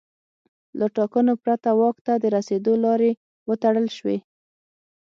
له ټاکنو پرته واک ته د رسېدو لارې وتړل شوې.